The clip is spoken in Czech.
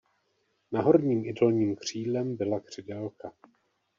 Na horním i dolním křídlem byla křidélka.